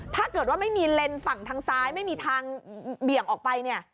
ถ้าเกิดว่าไม่มีเลนส์ฝั่งทางซ้ายไม่มีทางเบี่ยงออกไปเนี่ย